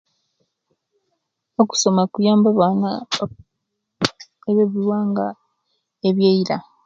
Okusoma kuyamba abaana, oku ebyewuwanga ebyeiira.